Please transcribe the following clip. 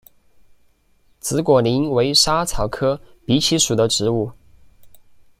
紫果蔺为莎草科荸荠属的植物。